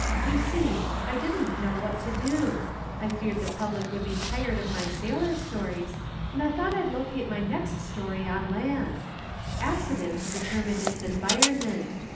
You see, I didn't know what to do; I feared the public would be tired of my sailor stories and I thought I'd locate my next story on land. Accident determined its environment.